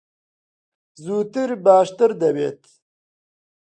زووتر باشتر دەبێت.